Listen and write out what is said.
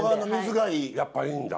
やっぱいいんだ。